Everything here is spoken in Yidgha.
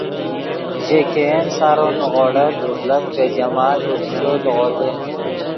ژے ګئین سارو نیغوڑت اوݱڑت کہ جمال دے کوچو لیغودے